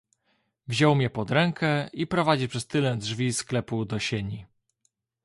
"Wziął mnie pod rękę i prowadzi przez tylne drzwi sklepu do sieni."